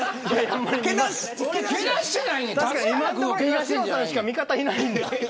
東野さんしか味方がいないんで。